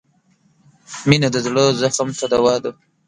• مینه د زړه زخم ته دوا ده.